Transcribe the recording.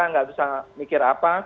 tidak usah mikir apa